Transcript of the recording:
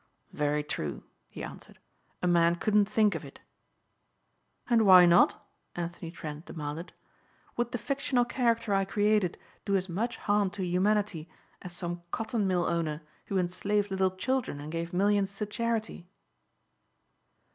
"Very true," he answered. "A man couldn't think of it." "And why not?" Anthony Trent demanded; "would the fictional character I created do as much harm to humanity as some cotton mill owner who enslaved little children and gave millions to charity?"